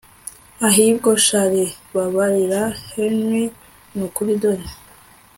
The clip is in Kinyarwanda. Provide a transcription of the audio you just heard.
ahibwo sha Li babarira Henry nukuri dore